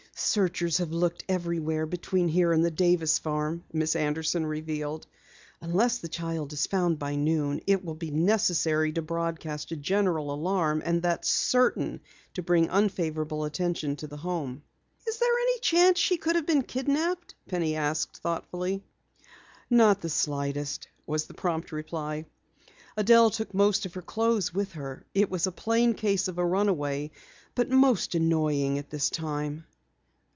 "Searchers have looked everywhere between here and the Davis farm," Miss Anderson revealed. "Unless the child is found by noon, it will be necessary to broadcast a general alarm. And that's certain to bring unfavorable attention to the Home." "Is there any chance she could have been kidnaped?" Penny asked thoughtfully. "Not the slightest," was the prompt reply. "Adelle took most of her clothes with her. It's a plain case of a runaway, but most annoying at this time."